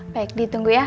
baik ditunggu ya